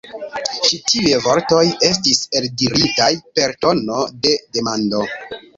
Ĉi tiuj vortoj estis eldiritaj per tono de demando.